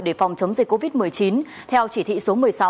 để phòng chống dịch covid một mươi chín theo chỉ thị số một mươi sáu